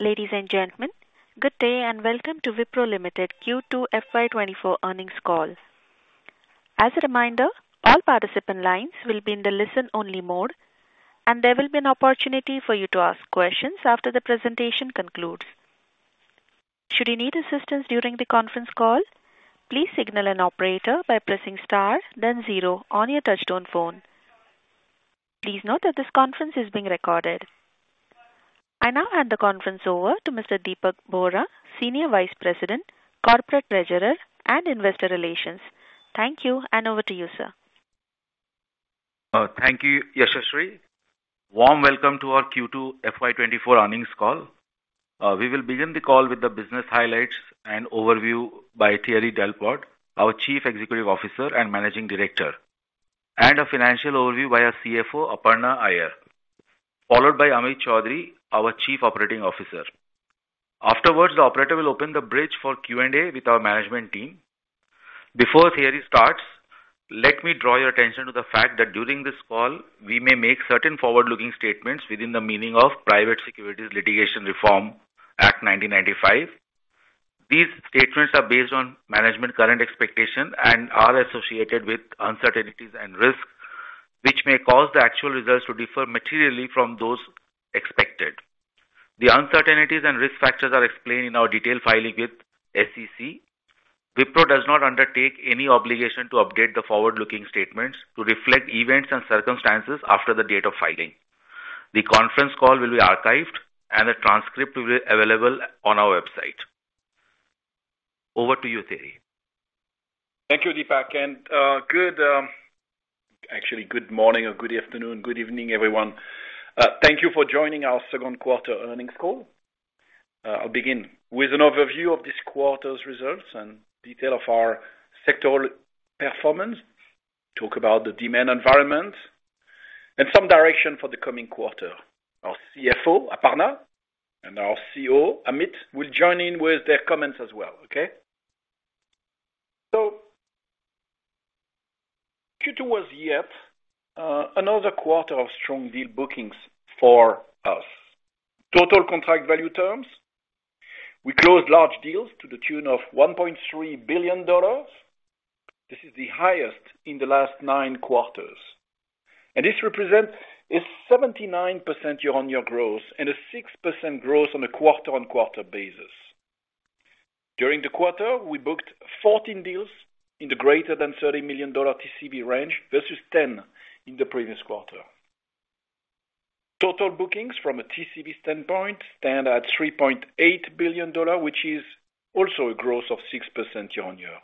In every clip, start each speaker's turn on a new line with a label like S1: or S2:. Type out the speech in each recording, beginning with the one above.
S1: Ladies and gentlemen, good day, and welcome to Wipro Limited Q2 FY24 earnings call. As a reminder, all participant lines will be in the listen-only mode, and there will be an opportunity for you to ask questions after the presentation concludes. Should you need assistance during the conference call, please signal an operator by pressing Star, then zero on your touchtone phone. Please note that this conference is being recorded. I now hand the conference over to Mr. Dipak Bohra, Senior Vice President, Corporate Treasurer, and Investor Relations. Thank you, and over to you, sir.
S2: Thank you, Yashashri. Warm welcome to our Q2 FY24 earnings call. We will begin the call with the business highlights and overview by Thierry Delaporte, our Chief Executive Officer and Managing Director, and a financial overview by our CFO, Aparna Iyer, followed by Amit Choudhary, our Chief Operating Officer. Afterwards, the operator will open the bridge for Q&A with our management team. Before Thierry starts, let me draw your attention to the fact that during this call, we may make certain forward-looking statements within the meaning of Private Securities Litigation Reform Act 1995. These statements are based on management current expectation and are associated with uncertainties and risks, which may cause the actual results to differ materially from those expected. The uncertainties and risk factors are explained in our detailed filing with SEC. Wipro does not undertake any obligation to update the forward-looking statements to reflect events and circumstances after the date of filing. The conference call will be archived, and a transcript will be available on our website. Over to you, Thierry.
S3: Thank you, Dipak, and, actually, good morning or good afternoon, good evening, everyone. Thank you for joining our second quarter earnings call. I'll begin with an overview of this quarter's results and detail of our sectoral performance, talk about the demand environment and some direction for the coming quarter. Our CFO, Aparna, and our CEO, Amit, will join in with their comments as well, okay? So, Q2 was yet another quarter of strong deal bookings for us. Total contract value terms, we closed large deals to the tune of $1.3 billion. This is the highest in the last nine quarters, and this represent a 79% year-over-year growth and a 6% growth on a quarter-over-quarter basis. During the quarter, we booked 14 deals in the greater than $30 million TCV range, versus 10 in the previous quarter. Total bookings from a TCV standpoint stand at $3.8 billion, which is also a growth of 6% year-on-year.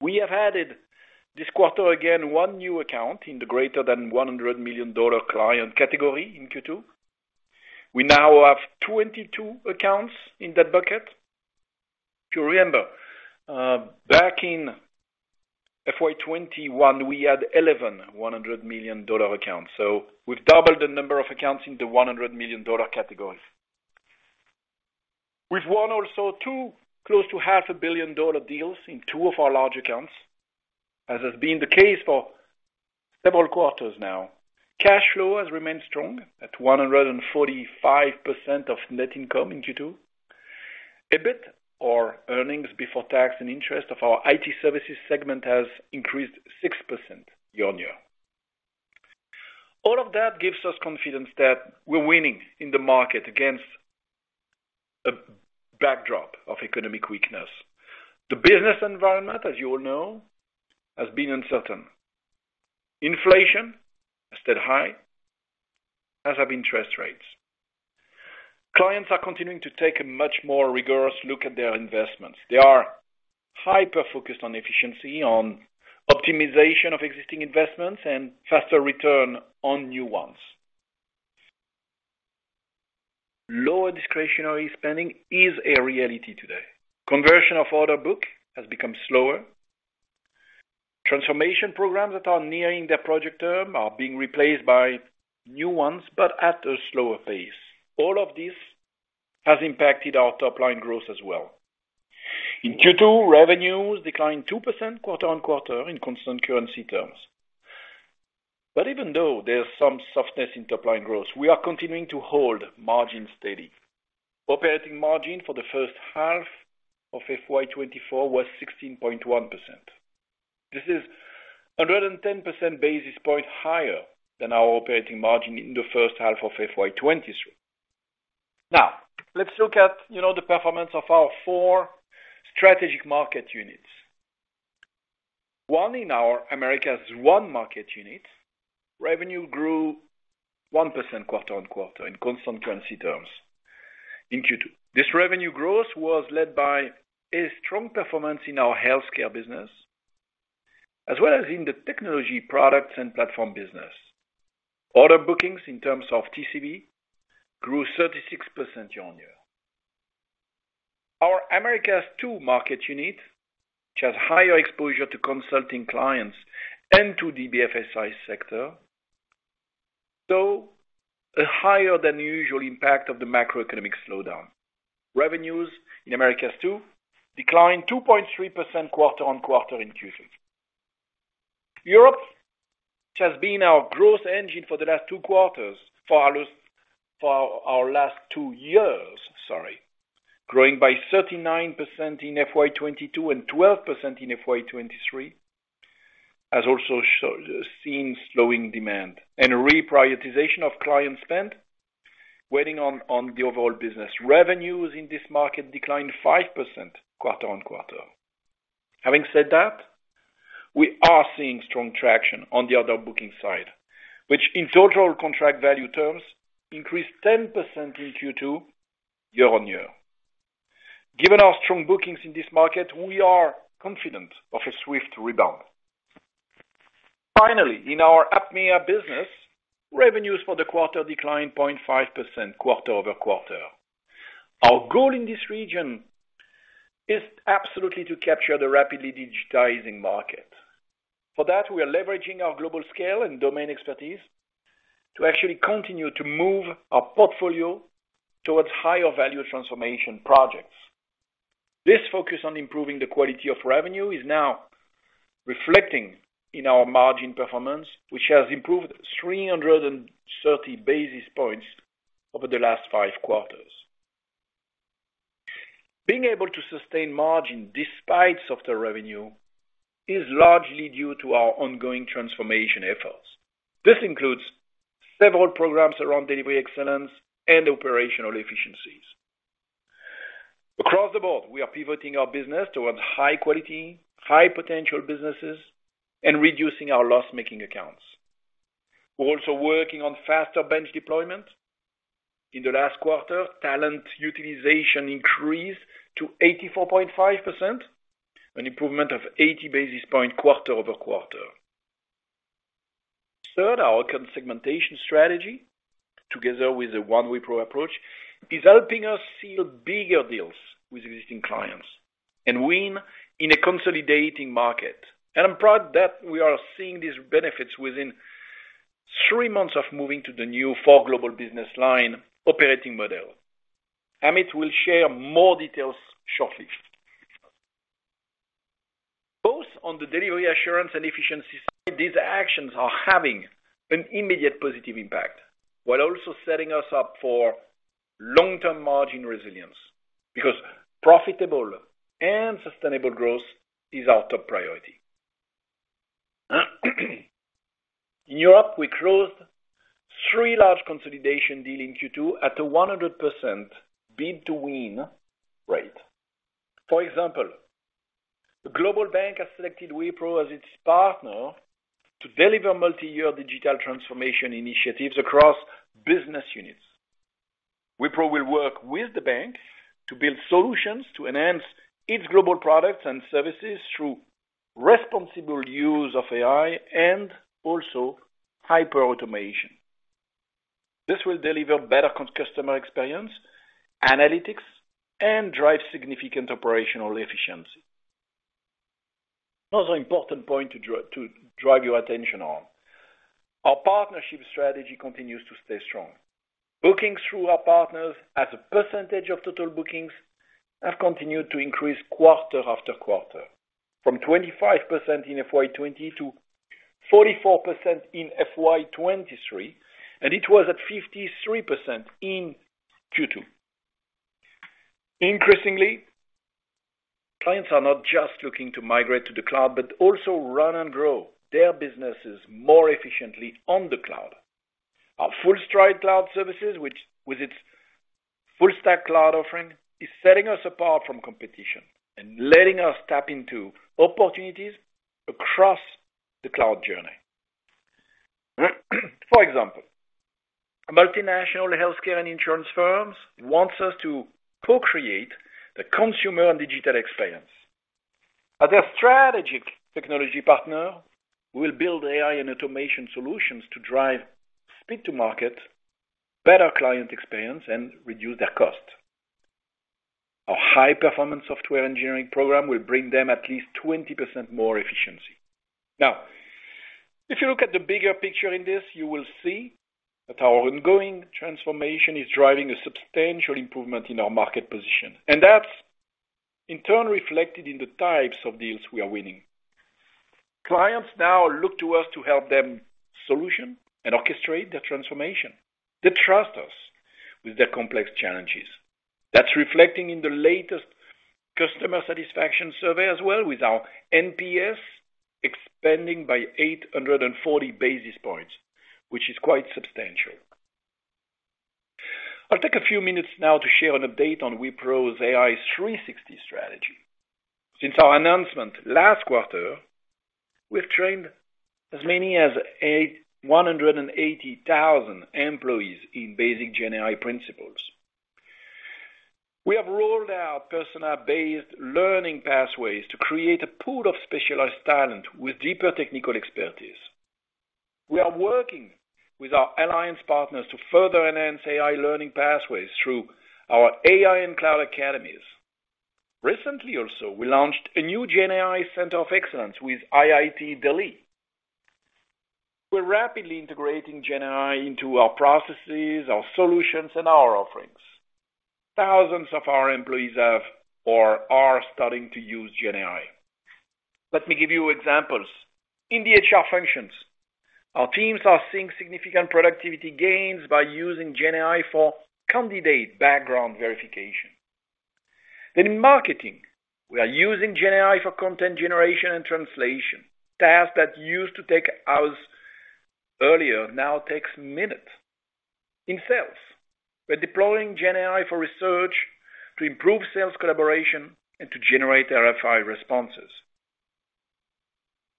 S3: We have added this quarter, again, 1 new account in the greater than $100 million client category in Q2. We now have 22 accounts in that bucket. If you remember, back in FY 2021, we had 11 $100 million accounts, so we've doubled the number of accounts in the $100 million categories. We've won also 2 close to $500 million deals in 2 of our large accounts, as has been the case for several quarters now. Cash flow has remained strong at 145% of net income in Q2. EBIT, or earnings before tax and interest, of our IT services segment, has increased 6% year-on-year. All of that gives us confidence that we're winning in the market against a backdrop of economic weakness. The business environment, as you all know, has been uncertain. Inflation has stayed high, as have interest rates. Clients are continuing to take a much more rigorous look at their investments. They are hyper-focused on efficiency, on optimization of existing investments, and faster return on new ones. Lower discretionary spending is a reality today. Conversion of order book has become slower. Transformation programs that are nearing their project term are being replaced by new ones, but at a slower pace. All of this has impacted our top line growth as well. In Q2, revenues declined 2% quarter-on-quarter in constant currency terms. Even though there's some softness in top line growth, we are continuing to hold margins steady. Operating margin for the first half of FY 2024 was 16.1%. This is 110 basis points higher than our operating margin in the first half of FY 2023. Now, let's look at, you know, the performance of our four strategic market units. One, in our Americas One market unit, revenue grew 1% quarter-on-quarter in constant currency terms in Q2. This revenue growth was led by a strong performance in our healthcare business, as well as in the technology products and platform business. Order bookings, in terms of TCV, grew 36% year-on-year. Our Americas Two market unit, which has higher exposure to consulting clients and to the BFSI sector, saw a higher than usual impact of the macroeconomic slowdown. Revenues in Americas Two declined 2.3% quarter-on-quarter in Q2. Europe, which has been our growth engine for the last two years, sorry, growing by 39% in FY 2022 and 12% in FY 2023, has also seen slowing demand and reprioritization of client spend, weighing on the overall business. Revenues in this market declined 5% quarter-on-quarter. Having said that, we are seeing strong traction on the other booking side, which in total contract value terms, increased 10% in Q2 year-on-year. Given our strong bookings in this market, we are confident of a swift rebound. Finally, in our APMEA business, revenues for the quarter declined 0.5% quarter-over-quarter. Our goal in this region is absolutely to capture the rapidly digitizing market. For that, we are leveraging our global scale and domain expertise to actually continue to move our portfolio towards higher value transformation projects. This focus on improving the quality of revenue is now reflecting in our margin performance, which has improved 330 basis points over the last five quarters. Being able to sustain margin despite softer revenue is largely due to our ongoing transformation efforts. This includes several programs around delivery excellence and operational efficiencies. Across the board, we are pivoting our business towards high quality, high potential businesses, and reducing our loss-making accounts. We're also working on faster bench deployment. In the last quarter, talent utilization increased to 84.5%, an improvement of 80 basis points, quarter-over-quarter. Third, our segmentation strategy, together with the One Wipro approach, is helping us seal bigger deals with existing clients and win in a consolidating market. I'm proud that we are seeing these benefits within three months of moving to the new four global business line operating model. Amit will share more details shortly. Both on the delivery assurance and efficiency, these actions are having an immediate positive impact, while also setting us up for long-term margin resilience, because profitable and sustainable growth is our top priority. In Europe, we closed three large consolidation deals in Q2 at a 100% bid to win rate. For example, a global bank has selected Wipro as its partner to deliver multiyear digital transformation initiatives across business units. Wipro will work with the bank to build solutions to enhance its global products and services through responsible use of AI and also hyperautomation. This will deliver better customer experience, analytics, and drive significant operational efficiency. Another important point to drive your attention on, our partnership strategy continues to stay strong. Bookings through our partners as a percentage of total bookings have continued to increase quarter after quarter, from 25% in FY 2020 to 44% in FY 2023, and it was at 53% in Q2. Increasingly, clients are not just looking to migrate to the cloud, but also run and grow their businesses more efficiently on the cloud. Our FullStride Cloud Services, which with its full stack cloud offering, is setting us apart from competition and letting us tap into opportunities across the cloud journey. For example, multinational healthcare and insurance firms wants us to co-create the consumer and digital experience. As their strategic technology partner, we'll build AI and automation solutions to drive speed to market, better client experience, and reduce their cost. Our high-performance software engineering program will bring them at least 20% more efficiency. Now, if you look at the bigger picture in this, you will see that our ongoing transformation is driving a substantial improvement in our market position, and that's in turn reflected in the types of deals we are winning. Clients now look to us to help them solution and orchestrate their transformation. They trust us with their complex challenges. That's reflecting in the latest customer satisfaction survey as well, with our NPS expanding by 840 basis points, which is quite substantial. I'll take a few minutes now to share an update on Wipro's AI360 strategy. Since our announcement last quarter, we've trained as many as 81,000 employees in basic GenAI principles. We have rolled out personnel-based learning pathways to create a pool of specialized talent with deeper technical expertise. We are working with our alliance partners to further enhance AI learning pathways through our AI and cloud academies. Recently also, we launched a new GenAI Center of Excellence with IIT Delhi.... We're rapidly integrating GenAI into our processes, our solutions, and our offerings. Thousands of our employees have or are starting to use GenAI. Let me give you examples. In the HR functions, our teams are seeing significant productivity gains by using GenAI for candidate background verification. Then in marketing, we are using GenAI for content generation and translation. Tasks that used to take hours earlier, now takes minutes. In sales, we're deploying GenAI for research to improve sales collaboration and to generate RFI responses.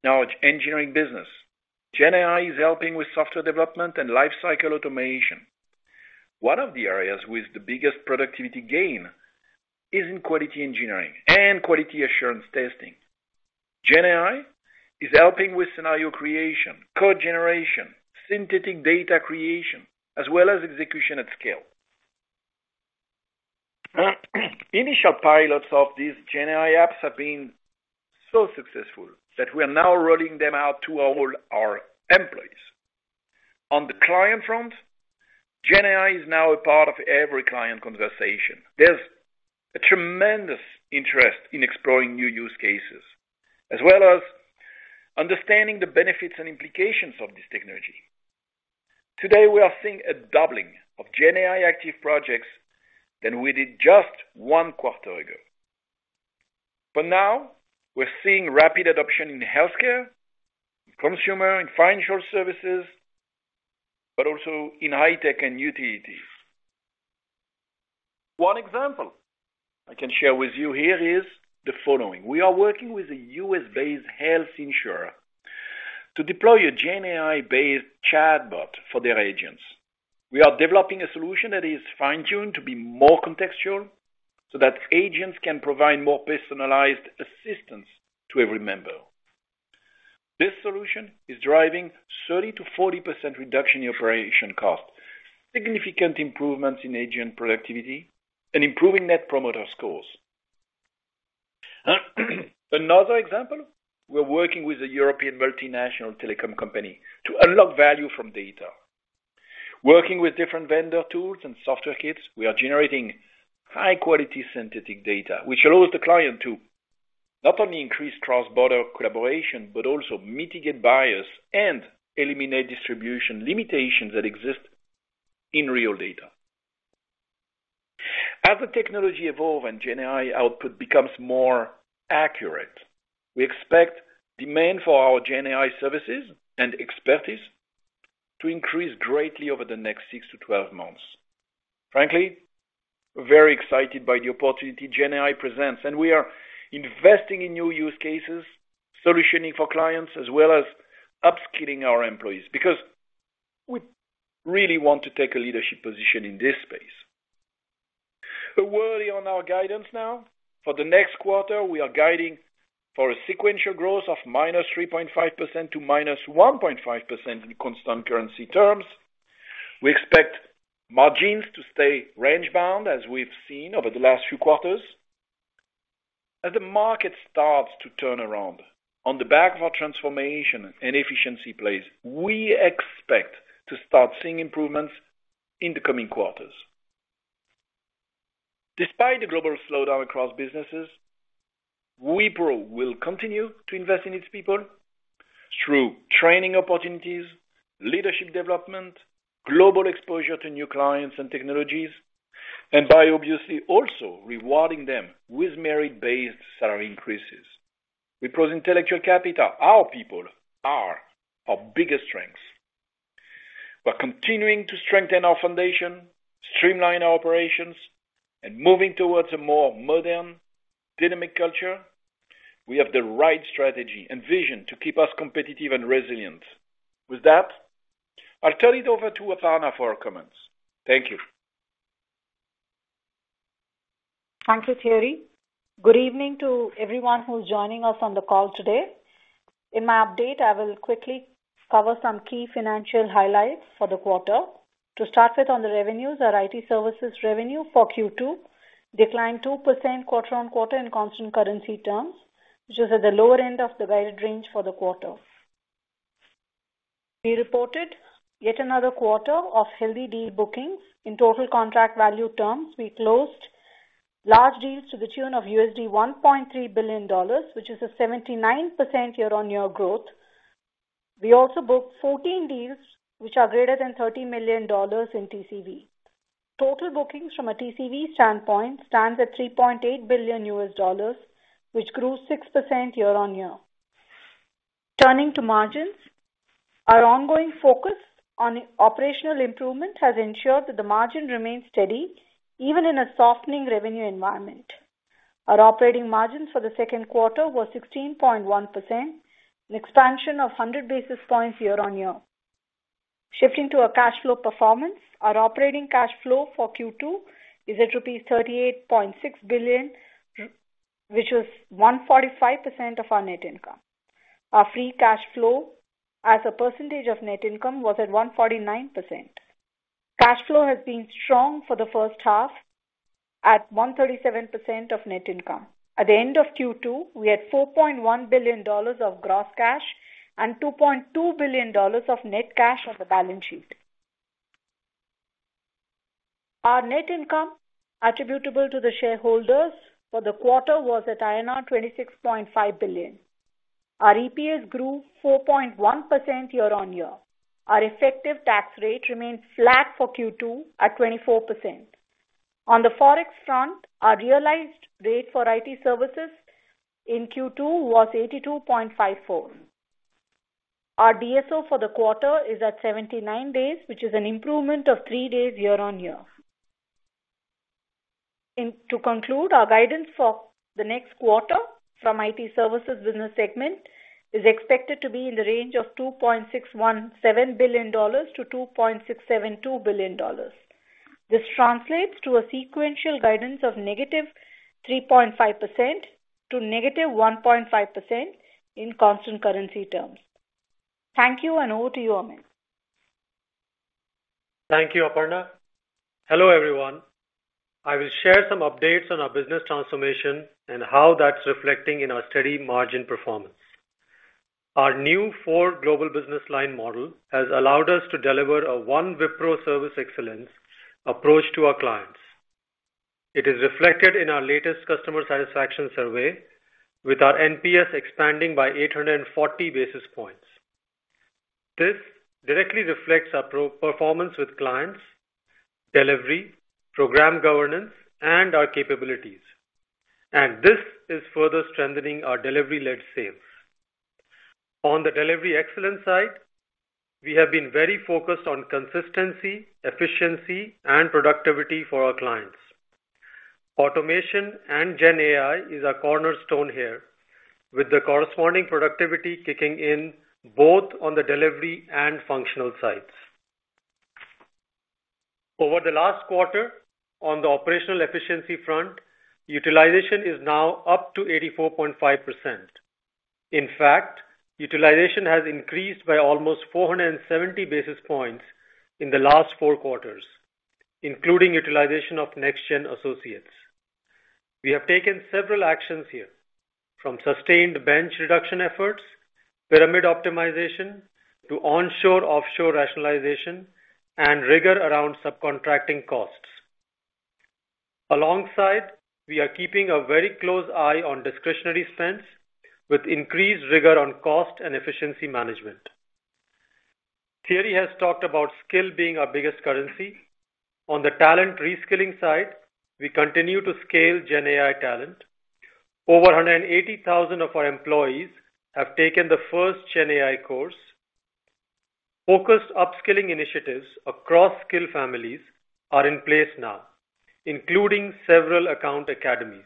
S3: Now, with engineering business, GenAI is helping with software development and lifecycle automation. One of the areas with the biggest productivity gain is in quality engineering and quality assurance testing. GenAI is helping with scenario creation, code generation, synthetic data creation, as well as execution at scale. Initial pilots of these GenAI apps have been so successful that we are now rolling them out to all our employees. On the client front, GenAI is now a part of every client conversation. There's a tremendous interest in exploring new use cases, as well as understanding the benefits and implications of this technology. Today, we are seeing a doubling of GenAI active projects than we did just one quarter ago. For now, we're seeing rapid adoption in healthcare, consumer and financial services, but also in high tech and utilities. One example I can share with you here is the following: We are working with a U.S.-based health insurer to deploy a GenAI-based chatbot for their agents. We are developing a solution that is fine-tuned to be more contextual, so that agents can provide more personalized assistance to every member. This solution is driving 30%-40% reduction in operation costs, significant improvements in agent productivity, and improving Net Promoter Scores. Another example, we're working with a European multinational telecom company to unlock value from data. Working with different vendor tools and software kits, we are generating high-quality synthetic data, which allows the client to not only increase cross-border collaboration, but also mitigate bias and eliminate distribution limitations that exist in real data. As the technology evolve and GenAI output becomes more accurate, we expect demand for our GenAI services and expertise to increase greatly over the next 6-12 months. Frankly, we're very excited by the opportunity GenAI presents, and we are investing in new use cases, solutioning for clients, as well as upskilling our employees, because we really want to take a leadership position in this space. A word on our guidance now. For the next quarter, we are guiding for a sequential growth of -3.5% to -1.5% in Constant Currency terms. We expect margins to stay range-bound, as we've seen over the last few quarters. As the market starts to turn around on the back of our transformation and efficiency plays, we expect to start seeing improvements in the coming quarters. Despite the global slowdown across businesses, Wipro will continue to invest in its people through training opportunities, leadership development, global exposure to new clients and technologies, and by obviously also rewarding them with merit-based salary increases. Wipro's intellectual capital, our people, are our biggest strengths. We're continuing to strengthen our foundation, streamline our operations, and moving towards a more modern, dynamic culture. We have the right strategy and vision to keep us competitive and resilient. With that, I'll turn it over to Aparna for comments. Thank you.
S4: Thank you, Thierry. Good evening to everyone who's joining us on the call today. In my update, I will quickly cover some key financial highlights for the quarter. To start with, on the revenues, our IT services revenue for Q2 declined 2% quarter-on-quarter in constant currency terms, which is at the lower end of the guided range for the quarter. We reported yet another quarter of healthy deal bookings. In total contract value terms, we closed large deals to the tune of $1.3 billion, which is a 79% year-on-year growth. We also booked 14 deals, which are greater than $30 million in TCV. Total bookings from a TCV standpoint stands at $3.8 billion, which grew 6% year-on-year. Turning to margins, our ongoing focus on operational improvement has ensured that the margin remains steady, even in a softening revenue environment. Our operating margins for the second quarter were 16.1%, an expansion of 100 basis points year-on-year. Shifting to our cash flow performance, our operating cash flow for Q2 is at rupees 38.6 billion, which was 145% of our net income. Our free cash flow as a percentage of net income was at 149%. Cash flow has been strong for the first half.... at 137% of net income. At the end of Q2, we had $4.1 billion of gross cash and $2.2 billion of net cash on the balance sheet. Our net income attributable to the shareholders for the quarter was at INR 26.5 billion. Our EPS grew 4.1% year-on-year. Our effective tax rate remains flat for Q2 at 24%. On the Forex front, our realized rate for IT services in Q2 was 82.54. Our DSO for the quarter is at 79 days, which is an improvement of 3 days year-on-year. To conclude, our guidance for the next quarter from IT services business segment is expected to be in the range of $2.617 billion-$2.672 billion. This translates to a sequential guidance of -3.5% to -1.5% in constant currency terms. Thank you, and over to you, Amit.
S5: Thank you, Aparna. Hello, everyone. I will share some updates on our business transformation and how that's reflecting in our steady margin performance. Our new four Global Business Line model has allowed us to deliver a One Wipro service excellence approach to our clients. It is reflected in our latest customer satisfaction survey, with our NPS expanding by 840 basis points. This directly reflects our performance with clients, delivery, program governance, and our capabilities. This is further strengthening our delivery-led sales. On the delivery excellence side, we have been very focused on consistency, efficiency, and productivity for our clients. Automation and GenAI is our cornerstone here, with the corresponding productivity kicking in both on the delivery and functional sides. Over the last quarter, on the operational efficiency front, utilization is now up to 84.5%. In fact, utilization has increased by almost 470 basis points in the last four quarters, including utilization of next gen associates. We have taken several actions here, from sustained bench reduction efforts, pyramid optimization, to onshore-offshore rationalization and rigor around subcontracting costs. Alongside, we are keeping a very close eye on discretionary spends with increased rigor on cost and efficiency management. Thierry has talked about skill being our biggest currency. On the talent reskilling side, we continue to scale Gen AI talent. Over 180,000 of our employees have taken the first Gen AI course. Focused upskilling initiatives across skill families are in place now, including several account academies.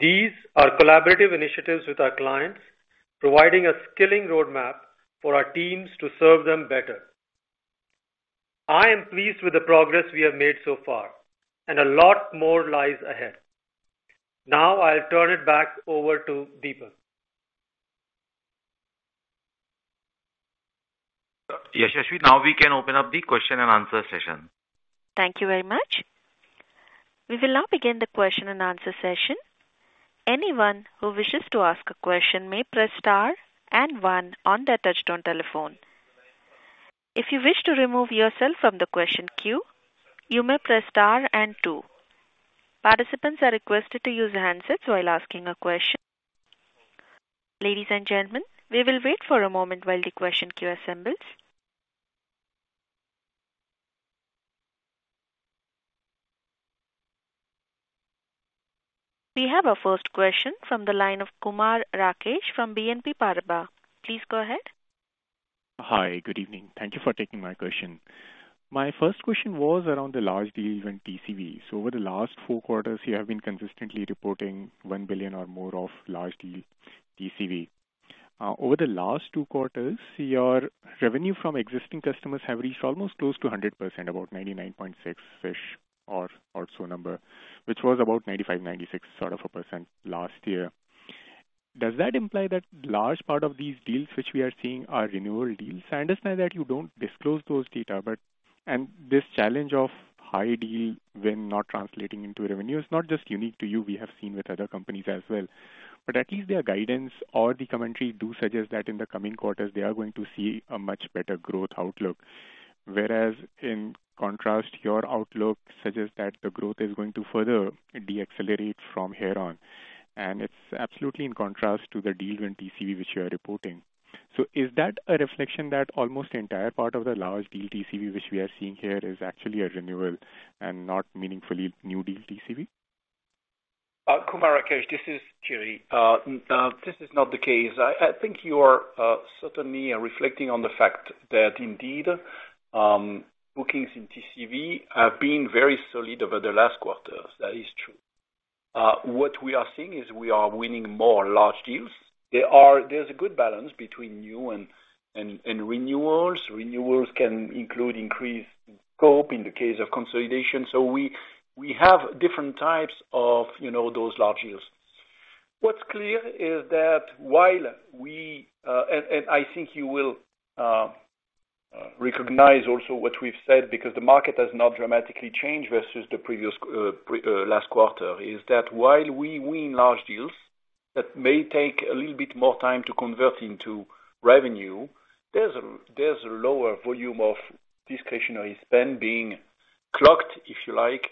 S5: These are collaborative initiatives with our clients, providing a skilling roadmap for our teams to serve them better. I am pleased with the progress we have made so far, and a lot more lies ahead. Now I'll turn it back over to Dipak.
S2: Yes, Yashashri, now we can open up the question and answer session.
S1: Thank you very much. We will now begin the question-and-answer session. Anyone who wishes to ask a question may press star and one on their touch-tone telephone. If you wish to remove yourself from the question queue, you may press star and two. Participants are requested to use handsets while asking a question. Ladies and gentlemen, we will wait for a moment while the question queue assembles. We have our first question from the line of Kumar Rakesh from BNP Paribas. Please go ahead.
S6: Hi. Good evening. Thank you for taking my question. My first question was around the large deals in TCV. So over the last 4 quarters, you have been consistently reporting $1 billion or more of large deals TCV. Over the last 2 quarters, your revenue from existing customers have reached almost close to 100%, about 99.6-ish or, or so number, which was about 95-96 sort of a % last year. Does that imply that large part of these deals, which we are seeing, are renewal deals? I understand that you don't disclose those data, but, and this challenge of high deal when not translating into revenue is not just unique to you, we have seen with other companies as well.. But at least their guidance or the commentary do suggest that in the coming quarters they are going to see a much better growth outlook. Whereas in contrast, your outlook suggests that the growth is going to further decelerate from here on, and it's absolutely in contrast to the deal win TCV, which you are reporting. So is that a reflection that almost the entire part of the large deal TCV, which we are seeing here, is actually a renewal and not meaningfully new deal TCV?
S3: Kumar Rakesh, this is Thierry. This is not the case. I think you are certainly reflecting on the fact that indeed, bookings in TCV have been very solid over the last quarters. That is true. What we are seeing is we are winning more large deals. There's a good balance between new and renewals. Renewals can include increased scope in the case of consolidation. So we have different types of, you know, those large deals.... What's clear is that while we, I think you will recognize also what we've said, because the market has not dramatically changed versus the previous quarter, is that while we win large deals, that may take a little bit more time to convert into revenue. There's a lower volume of discretionary spend being clocked, if you like,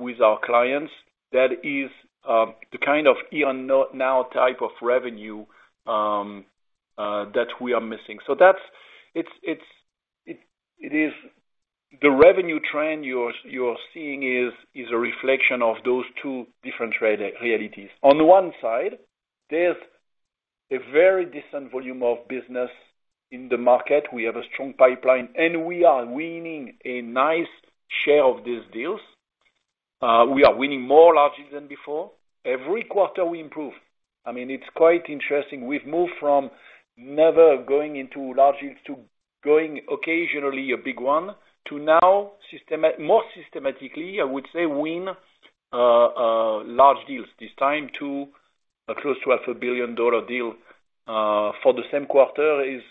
S3: with our clients. That is, the kind of here and now type of revenue that we are missing. So that's it. It is the revenue trend you're seeing is a reflection of those two different realities. On the one side, there's a very decent volume of business in the market. We have a strong pipeline, and we are winning a nice share of these deals. We are winning more largely than before. Every quarter we improve. I mean, it's quite interesting. We've moved from never going into large deals to going occasionally a big one, to now more systematically, I would say, win large deals. This time to close to half a billion dollar deal for the same quarter is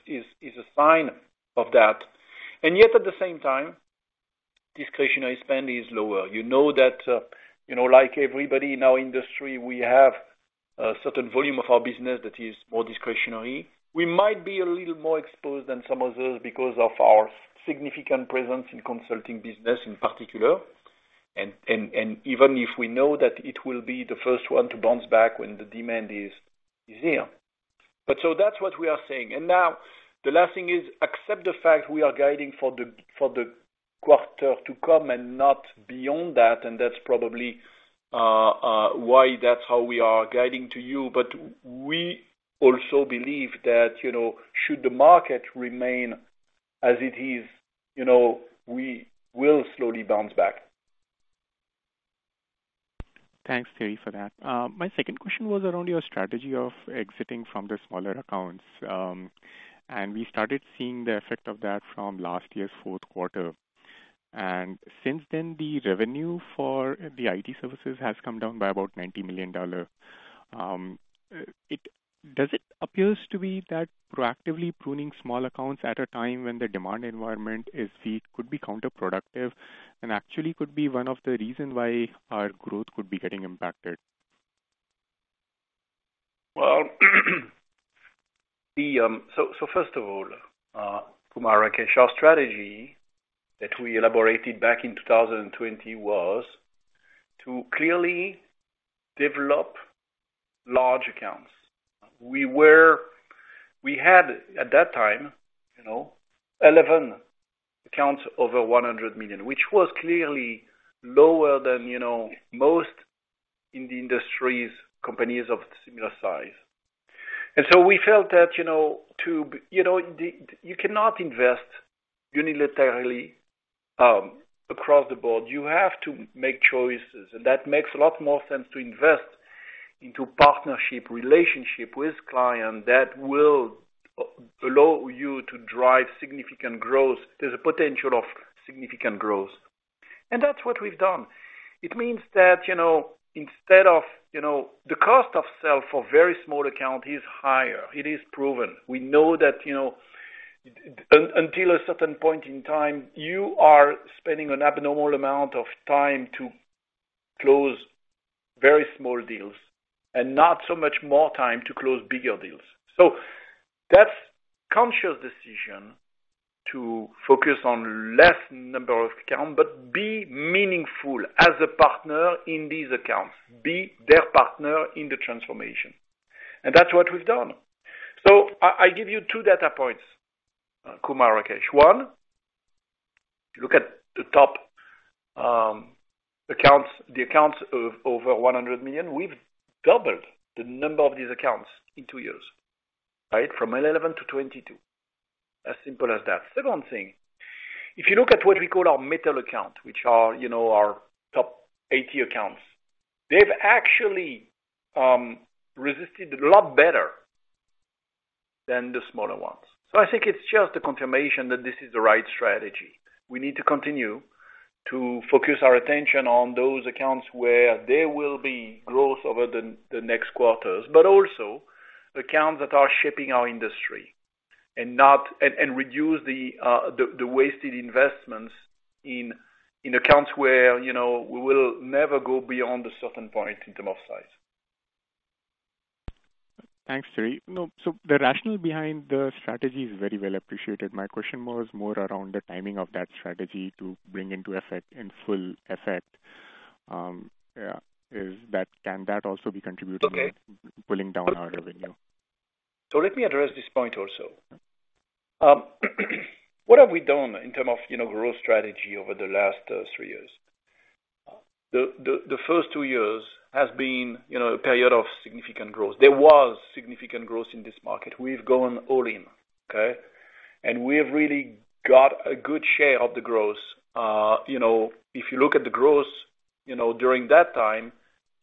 S3: a sign of that. And yet, at the same time, discretionary spend is lower. You know that, you know, like everybody in our industry, we have a certain volume of our business that is more discretionary. We might be a little more exposed than some others because of our significant presence in consulting business, in particular, and even if we know that it will be the first one to bounce back when the demand is here. But so that's what we are saying. Now, the last thing is, accept the fact we are guiding for the quarter to come and not beyond that, and that's probably why that's how we are guiding to you. But we also believe that, you know, should the market remain as it is, you know, we will slowly bounce back.
S6: Thanks, Thierry, for that. My second question was around your strategy of exiting from the smaller accounts. We started seeing the effect of that from last year's fourth quarter. And since then, the revenue for the IT services has come down by about $90 million. It does appear to be that proactively pruning small accounts at a time when the demand environment is weak, could be counterproductive, and actually could be one of the reason why our growth could be getting impacted?
S3: Well, the... So, so first of all, Kumar Rakesh, our strategy that we elaborated back in 2020 was to clearly develop large accounts. We had, at that time, you know, 11 accounts over $100 million, which was clearly lower than, you know, most in the industries, companies of similar size. And so we felt that, you know, to, you know, the, you cannot invest unilaterally, across the board. You have to make choices, and that makes a lot more sense to invest into partnership, relationship with client that will allow you to drive significant growth. There's a potential of significant growth. And that's what we've done. It means that, you know, instead of, you know, the cost of sale for very small account is higher. It is proven. We know that, you know, until a certain point in time, you are spending an abnormal amount of time to close very small deals and not so much more time to close bigger deals. So that's conscious decision to focus on less number of account, but be meaningful as a partner in these accounts, be their partner in the transformation. And that's what we've done. So I, I give you two data points, Kumar Rakesh. One, look at the top accounts, the accounts of over $100 million. We've doubled the number of these accounts in two years, right? From 11 to 22. As simple as that. Second thing, if you look at what we call our middle account, which are, you know, our top 80 accounts, they've actually resisted a lot better than the smaller ones. So I think it's just a confirmation that this is the right strategy. We need to continue to focus our attention on those accounts where there will be growth over the next quarters, but also accounts that are shaping our industry and reduce the wasted investments in accounts where, you know, we will never go beyond a certain point in terms of size.
S6: Thanks, Thierry. No, so the rationale behind the strategy is very well appreciated. My question was more around the timing of that strategy to bring into effect, in full effect. Yeah, is that- can that also be contributing-
S3: Okay.
S6: - pulling down our revenue?
S3: So let me address this point also. What have we done in terms of, you know, growth strategy over the last three years? The first two years has been, you know, a period of significant growth. There was significant growth in this market. We've gone all in, okay? And we've really got a good share of the growth. You know, if you look at the growth, you know, during that time,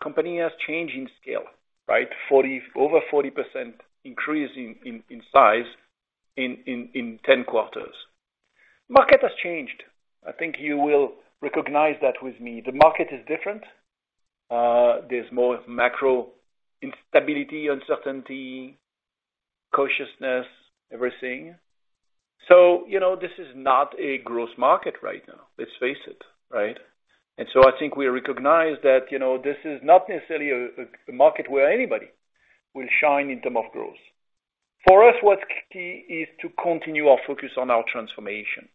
S3: company has changed in scale, right? Over 40% increase in size in 10 quarters.... Market has changed. I think you will recognize that with me. The market is different. There's more macro instability, uncertainty, cautiousness, everything. So, you know, this is not a growth market right now. Let's face it, right? And so I think we recognize that, you know, this is not necessarily a market where anybody will shine in terms of growth. For us, what's key is to continue our focus on our transformation,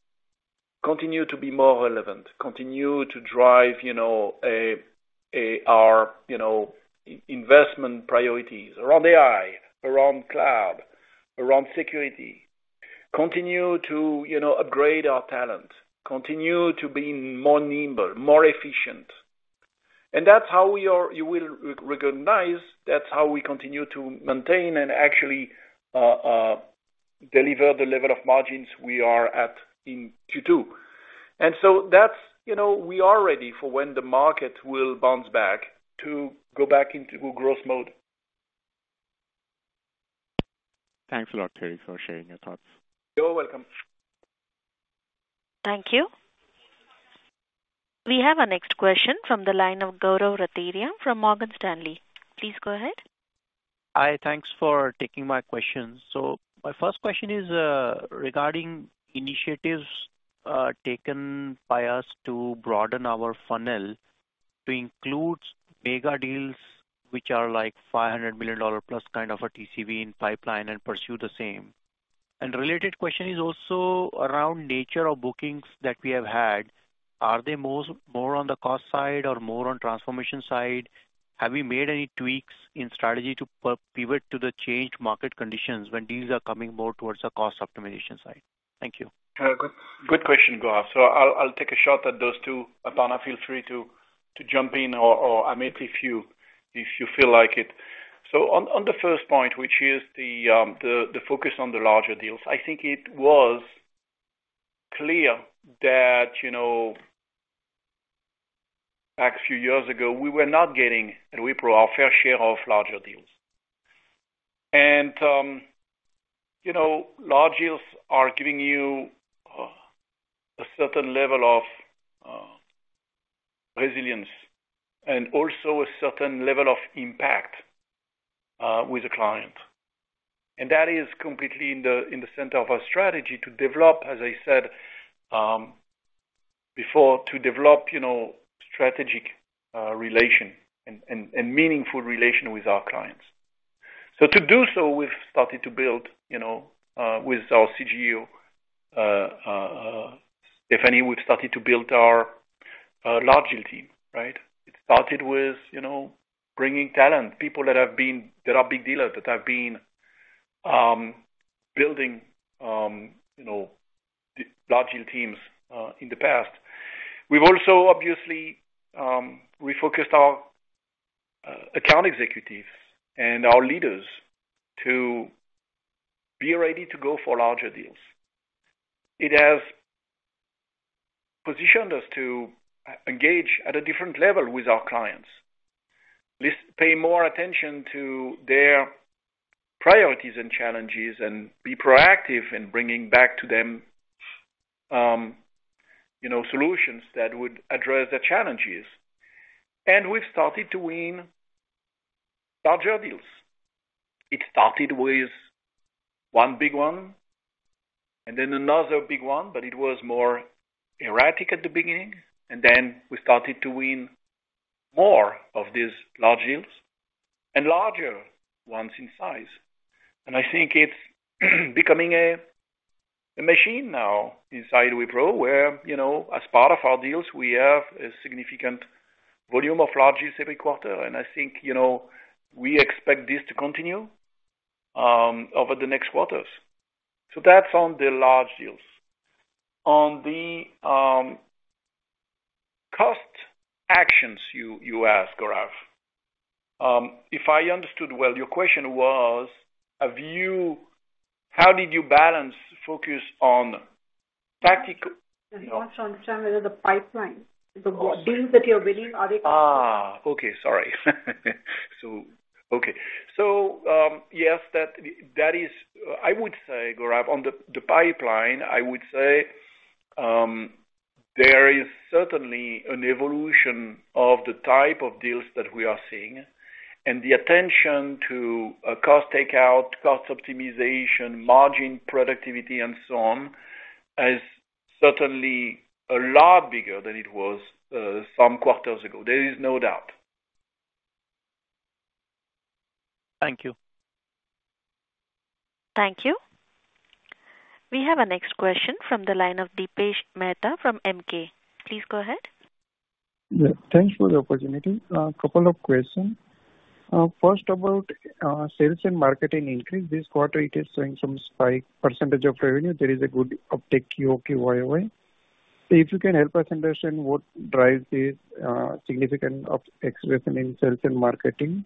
S3: continue to be more relevant, continue to drive, you know, our investment priorities around AI, around cloud, around security. Continue to, you know, upgrade our talent, continue to be more nimble, more efficient. And that's how we are. You will recognize, that's how we continue to maintain and actually deliver the level of margins we are at in Q2. And so that's, you know, we are ready for when the market will bounce back to go back into growth mode.
S6: Thanks a lot, Thierry, for sharing your thoughts.
S3: You're welcome.
S1: Thank you. We have our next question from the line of Gaurav Rateria from Morgan Stanley. Please go ahead.
S7: Hi, thanks for taking my question. So my first question is regarding initiatives taken by us to broaden our funnel, to include mega deals, which are like $500 million plus kind of a TCV in pipeline and pursue the same. And related question is also around nature of bookings that we have had. Are they more on the cost side or more on transformation side? Have we made any tweaks in strategy to pivot to the changed market conditions when deals are coming more towards the cost optimization side? Thank you.
S3: Good, good question, Gaurav. So I'll, I'll take a shot at those two. Atana, feel free to, to jump in or, or Amit, if you, if you feel like it. So on, on the first point, which is the focus on the larger deals, I think it was clear that, you know, back a few years ago, we were not getting at Wipro our fair share of larger deals. And, you know, large deals are giving you, a certain level of, resilience and also a certain level of impact, with the client. And that is completely in the center of our strategy to develop, as I said, before, to develop, you know, strategic, relation and, and, and meaningful relation with our clients. So to do so, we've started to build, you know, with our CGO, Stephanie, we've started to build our large deal team, right? It started with, you know, bringing talent, people that have been, that are big dealers, that have been building, you know, large deal teams in the past. We've also obviously we focused our account executives and our leaders to be ready to go for larger deals. It has positioned us to engage at a different level with our clients. Listen, pay more attention to their priorities and challenges, and be proactive in bringing back to them, you know, solutions that would address their challenges. And we've started to win larger deals. It started with one big one, and then another big one, but it was more erratic at the beginning, and then we started to win more of these large deals and larger ones in size. And I think it's becoming a machine now inside Wipro, where, you know, as part of our deals, we have a significant volume of large deals every quarter. And I think, you know, we expect this to continue over the next quarters. So that's on the large deals. On the cost actions you asked, Gaurav. If I understood well, your question was, have you- how did you balance focus on tactic-
S1: He wants to understand whether the pipeline, the deals that you're winning, are they-
S3: Ah! Okay, sorry. So, okay. So, yes, that is... I would say, Gaurav, on the pipeline, I would say, there is certainly an evolution of the type of deals that we are seeing, and the attention to a cost takeout, cost optimization, margin, productivity, and so on, is certainly a lot bigger than it was, some quarters ago. There is no doubt.
S7: Thank you.
S1: Thank you. We have our next question from the line of Dipesh Mehta from Emkay. Please go ahead.
S8: Yeah, thanks for the opportunity. A couple of questions. First about sales and marketing increase. This quarter, it is showing some spike percentage of revenue. There is a good uptick Q-over-Q, Y-over-Y. If you can help us understand what drives this significant up expression in sales and marketing?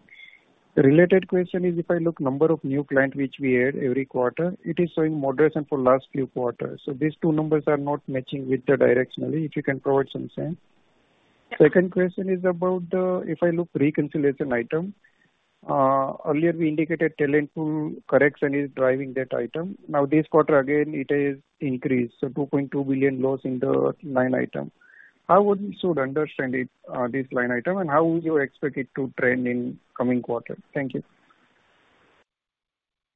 S8: Related question is, if I look number of new client, which we add every quarter, it is showing moderation for last few quarters. So these two numbers are not matching directionally, if you can provide some sense. Second question is about, if I look reconciliation item, earlier we indicated talent pool correction is driving that item. Now this quarter, again, it is increased, so $2.2 billion loss in the line item. How would we should understand it, this line item, and how would you expect it to trend in coming quarters? Thank you.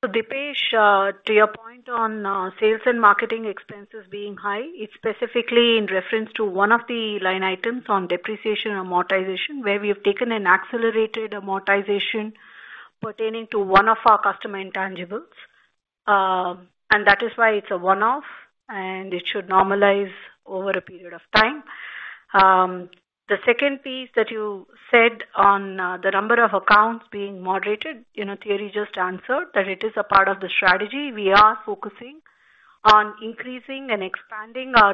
S4: So Dipesh, to your point on sales and marketing expenses being high, it's specifically in reference to one of the line items on depreciation amortization, where we have taken an accelerated amortization pertaining to one of our customer intangibles. And that is why it's a one-off, and it should normalize over a period of time. The second piece that you said on the number of accounts being moderated, you know, Thierry just answered, that it is a part of the strategy. We are focusing on increasing and expanding our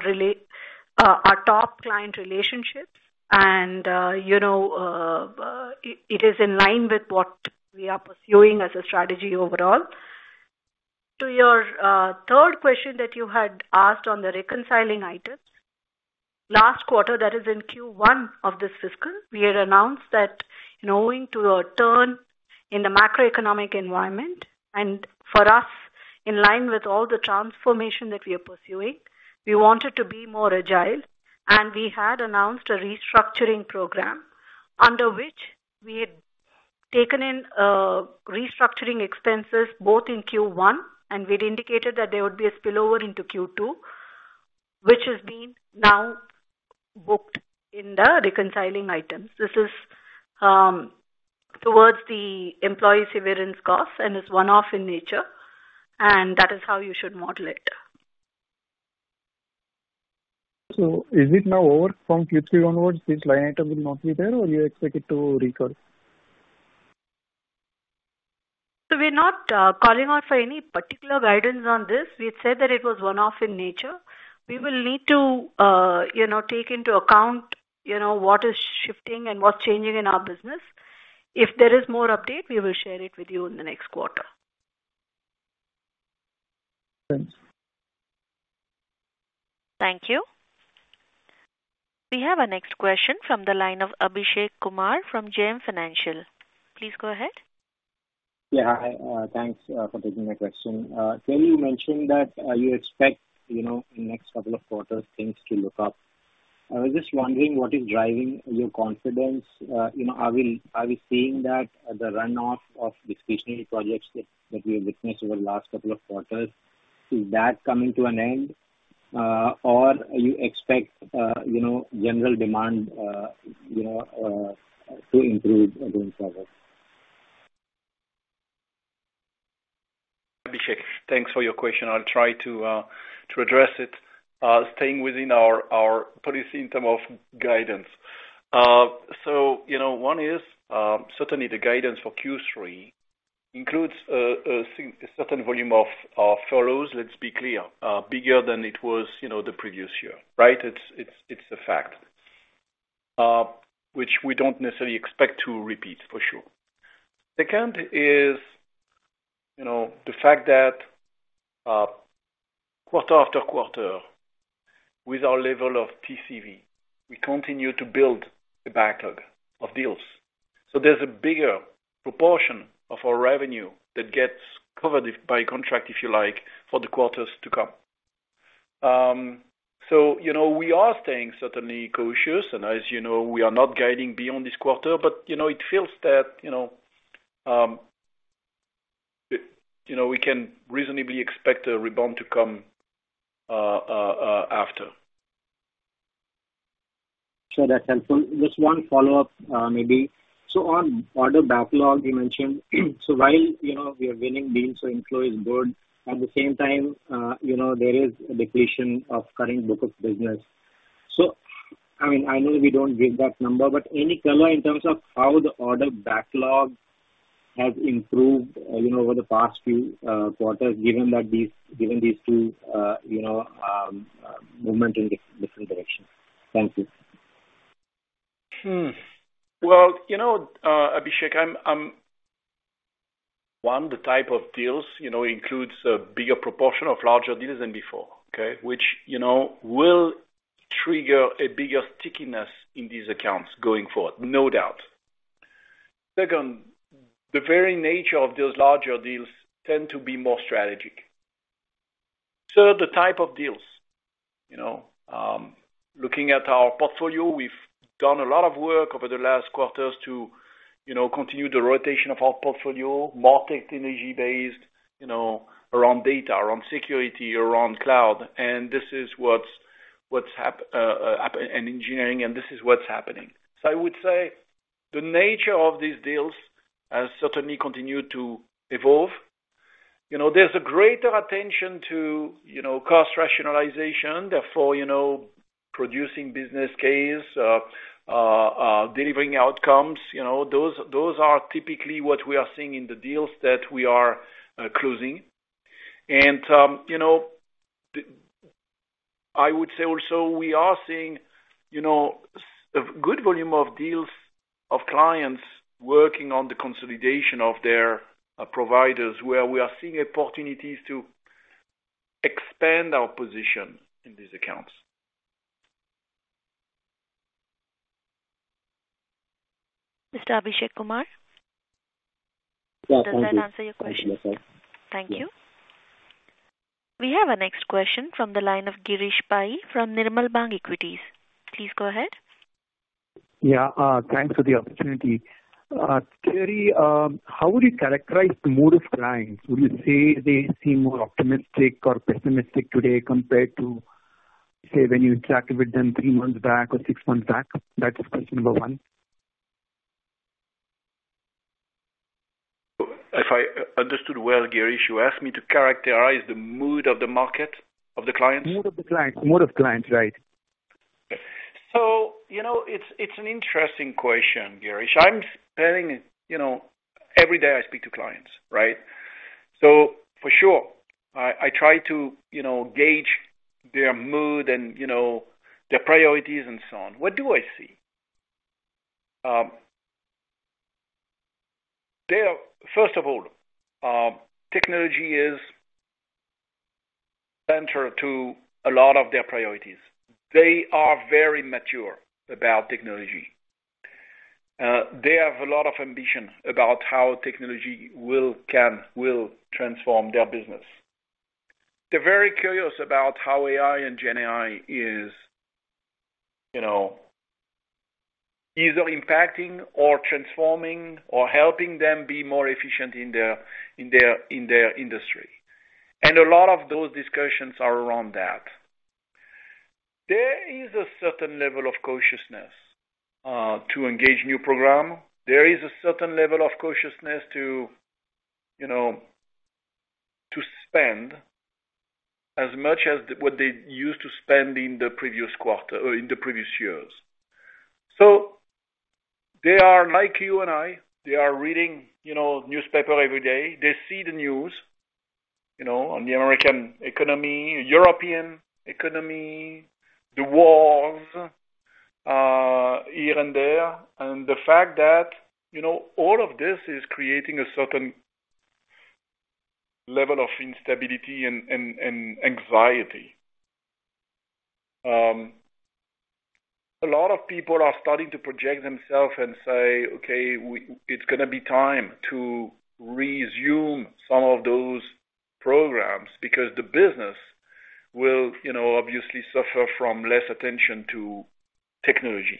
S4: top client relationships, and you know, it is in line with what we are pursuing as a strategy overall. To your third question that you had asked on the reconciling items, last quarter, that is in Q1 of this fiscal, we had announced that, you know, owing to a turn in the macroeconomic environment, and for us, in line with all the transformation that we are pursuing, we wanted to be more agile, and we had announced a restructuring program under which we had taken in restructuring expenses both in Q1, and we'd indicated that there would be a spillover into Q2, which is being now booked in the reconciling items. This is towards the employee severance costs, and it's one-off in nature, and that is how you should model it.
S8: Is it now over from Q3 onwards, this line item will not be there, or you expect it to recur?
S4: We're not calling out for any particular guidance on this. We had said that it was one-off in nature. We will need to, you know, take into account, you know, what is shifting and what's changing in our business. If there is more update, we will share it with you in the next quarter.
S8: Thanks.
S1: Thank you. We have our next question from the line of Abhishek Kumar from JM Financial. Please go ahead.
S9: Yeah, hi, thanks for taking my question. Thierry, you mentioned that you expect, you know, in the next couple of quarters, things to look up. I was just wondering what is driving your confidence? You know, are we seeing that the runoff of discretionary projects that we have witnessed over the last couple of quarters, is that coming to an end? Or you expect, you know, general demand, you know, to improve going forward?
S3: Abhishek, thanks for your question. I'll try to address it, staying within our policy in terms of guidance. So, you know, one is certainly the guidance for Q3 includes certain volume of furloughs, let's be clear, bigger than it was, you know, the previous year, right? It's a fact which we don't necessarily expect to repeat, for sure. Second is, you know, the fact that quarter after quarter, with our level of TCV, we continue to build the backlog of deals. So there's a bigger proportion of our revenue that gets covered by contract, if you like, for the quarters to come. So, you know, we are staying certainly cautious, and as you know, we are not guiding beyond this quarter, but, you know, it feels that, you know, we can reasonably expect a rebound to come, after.
S9: Sure, that's helpful. Just one follow-up, maybe. So on order backlog, you mentioned, so while, you know, we are winning deals, so inflow is good, at the same time, you know, there is a depletion of current book of business. So, I mean, I know we don't give that number, but any color in terms of how the order backlog has improved, you know, over the past few, quarters, given that these- given these two, you know, movement in different directions. Thank you.
S3: Well, you know, Abhishek, One, the type of deals, you know, includes a bigger proportion of larger deals than before, okay? Which, you know, will trigger a bigger stickiness in these accounts going forward, no doubt. Second, the very nature of those larger deals tend to be more strategic. So the type of deals, you know, looking at our portfolio, we've done a lot of work over the last quarters to, you know, continue the rotation of our portfolio, more tech-energy based, you know, around data, around security, around cloud, and engineering, and this is what's happening. So I would say the nature of these deals has certainly continued to evolve. You know, there's a greater attention to, you know, cost rationalization, therefore, you know, producing business case, delivering outcomes, you know, those, those are typically what we are seeing in the deals that we are, closing. And, you know, I would say also, we are seeing, you know, a good volume of deals of clients working on the consolidation of their, providers, where we are seeing opportunities to expand our position in these accounts.
S1: Mr. Abhishek Kumar?
S9: Yeah, thank you.
S1: Does that answer your question? Thank you. We have our next question from the line of Girish Pai from Nirmal Bang Equities. Please go ahead.
S10: Yeah, thanks for the opportunity. Thierry, how would you characterize the mood of clients? Would you say they seem more optimistic or pessimistic today compared to, say, when you interacted with them three months back or six months back? That is question number one.
S3: If I understood well, Girish, you asked me to characterize the mood of the market, of the clients?
S10: Mood of the clients. Mood of clients, right.
S3: So, you know, it's an interesting question, Girish. I'm spending... You know, every day I speak to clients, right? So for sure, I try to, you know, gauge their mood and, you know, their priorities and so on. What do I see? They are. First of all, technology is center to a lot of their priorities. They are very mature about technology. They have a lot of ambition about how technology will, can, will transform their business. They're very curious about how AI and GenAI is, you know, either impacting or transforming or helping them be more efficient in their, in their, in their industry. And a lot of those discussions are around that. There is a certain level of cautiousness to engage new program. There is a certain level of cautiousness to, you know, to spend as much as what they used to spend in the previous quarter or in the previous years. So they are like you and I, they are reading, you know, newspaper every day. They see the news, you know, on the American economy, European economy, the wars here and there, and the fact that, you know, all of this is creating a certain level of instability and, and, and anxiety. A lot of people are starting to project themselves and say, "Okay, it's gonna be time to resume some of those programs," because the business will, you know, obviously suffer from less attention to technology.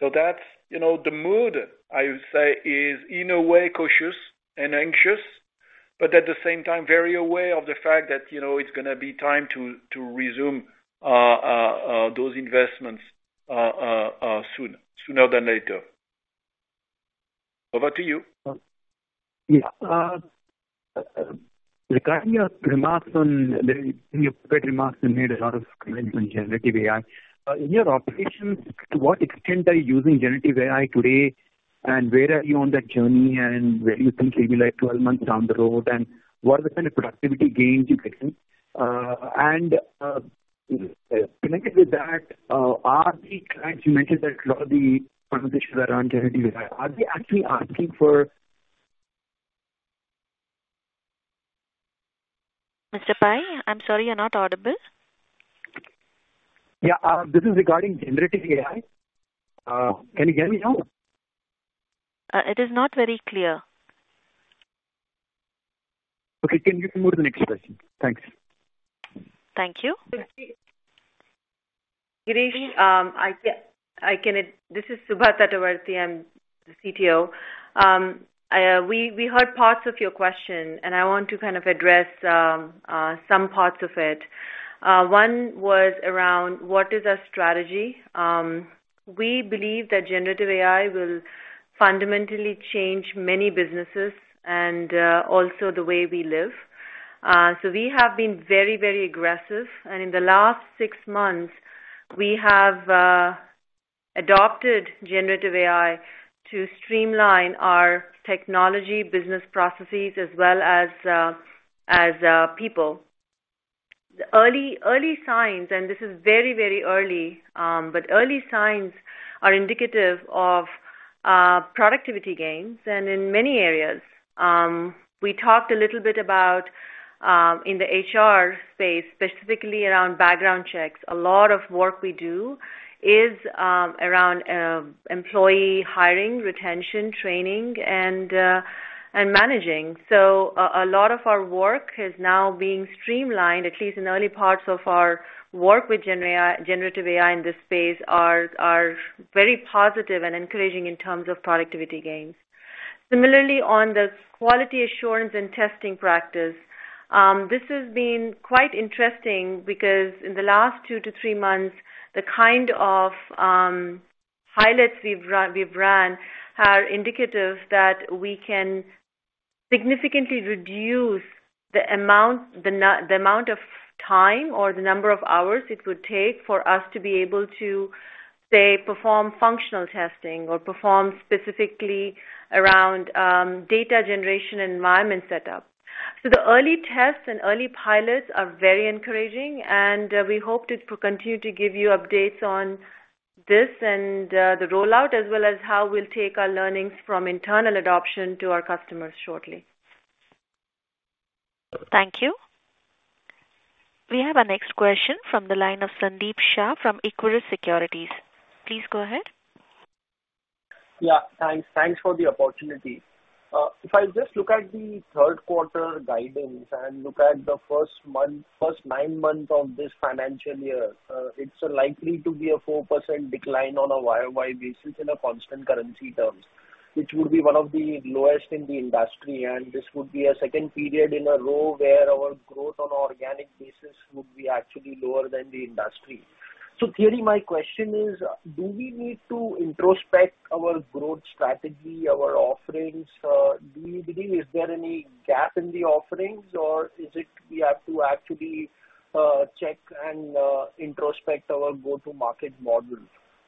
S3: So that's, you know, the mood, I would say, is in a way, cautious and anxious, but at the same time, very aware of the fact that, you know, it's gonna be time to resume those investments soon, sooner than later. Over to you.
S10: Yeah. Regarding your remarks on... In your prepared remarks, you made a lot of comments on generative AI. In your operations, to what extent are you using generative AI today, and where are you on that journey, and where you think maybe like 12 months down the road, and what are the kind of productivity gains you're getting? And connected with that, are the clients, you mentioned that a lot of the conversations around generative AI, are they actually asking for-
S1: Mr. Pai, I'm sorry, you're not audible.
S10: Yeah, this is regarding generative AI. Can you hear me now?
S1: It is not very clear.
S10: Okay, can you move to the next question? Thanks.
S1: Thank you.
S11: Girish, This is Subha Tatavarti. I'm the CTO. We heard parts of your question, and I want to kind of address some parts of it. One was around: What is our strategy? We believe that generative AI will fundamentally change many businesses and also the way we live. So we have been very, very aggressive, and in the last six months, we have adopted generative AI to streamline our technology, business processes, as well as people. The early signs, and this is very, very early, but early signs are indicative of productivity gains and in many areas. We talked a little bit about in the HR space, specifically around background checks. A lot of work we do is around employee hiring, retention, training, and managing. So a lot of our work is now being streamlined, at least in early parts of our work with GenAI, generative AI in this space, are very positive and encouraging in terms of productivity gains. Similarly, on the quality assurance and testing practice, this has been quite interesting because in the last two to three months, the kind of pilots we've ran are indicative that we can significantly reduce the amount, the amount of time or the number of hours it would take for us to be able to, say, perform functional testing or perform specifically around data generation and environment setup. So the early tests and early pilots are very encouraging, and we hope to continue to give you updates on-... this and, the rollout, as well as how we'll take our learnings from internal adoption to our customers shortly.
S1: Thank you. We have our next question from the line of Sandeep Shah from Equirus Securities. Please go ahead.
S12: Yeah, thanks. Thanks for the opportunity. If I just look at the third quarter guidance and look at the first month, first nine months of this financial year, it's likely to be a 4% decline on a YOY basis in constant currency terms, which would be one of the lowest in the industry. And this would be a second period in a row where our growth on organic basis would be actually lower than the industry. So Thierry, my question is, do we need to introspect our growth strategy, our offerings? Do you believe is there any gap in the offerings, or is it we have to actually check and introspect our go-to-market model?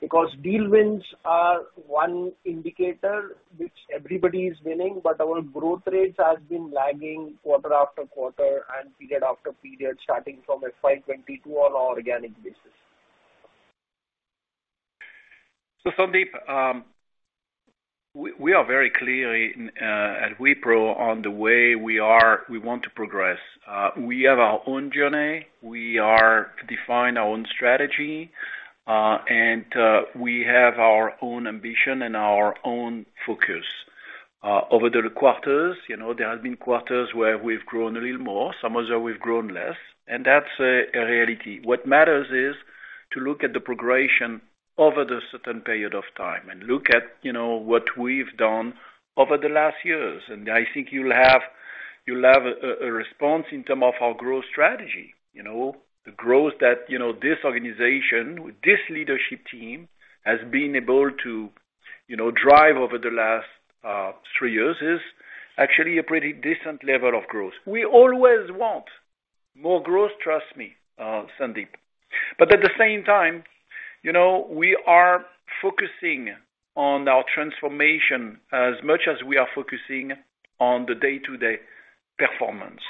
S12: Because deal wins are one indicator which everybody is winning, but our growth rates has been lagging quarter after quarter and period after period, starting from FY 2022 on an organic basis.
S3: So Sandeep, we are very clearly at Wipro on the way we are—we want to progress. We have our own journey. We are defined our own strategy, and we have our own ambition and our own focus. Over the quarters, you know, there have been quarters where we've grown a little more, some other we've grown less, and that's a reality. What matters is to look at the progression over the certain period of time and look at, you know, what we've done over the last years. And I think you'll have a response in terms of our growth strategy. You know, the growth that, you know, this organization, this leadership team, has been able to, you know, drive over the last three years is actually a pretty decent level of growth. We always want more growth, trust me, Sandeep. But at the same time, you know, we are focusing on our transformation as much as we are focusing on the day-to-day performance.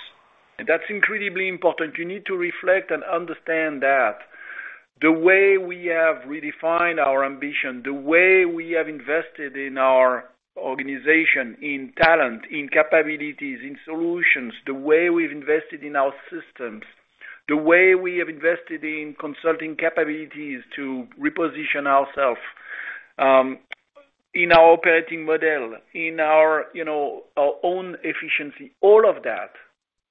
S3: And that's incredibly important. You need to reflect and understand that the way we have redefined our ambition, the way we have invested in our organization, in talent, in capabilities, in solutions, the way we've invested in our systems, the way we have invested in consulting capabilities to reposition ourselves in our operating model, in our, you know, our own efficiency, all of that